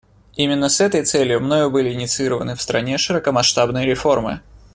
Именно с этой целью мною были инициированы в стране широкомасштабные реформы.